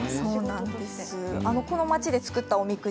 この町で作ったおみくじ